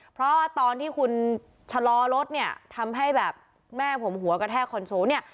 เพราะว่าตอนที่คุณชะลอรถเนี่ยทำให้แบบแม่ผมหัวกระแทกคอนโซลเนี่ย